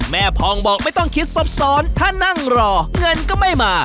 พ่องบอกไม่ต้องคิดซับซ้อนถ้านั่งรอเงินก็ไม่มา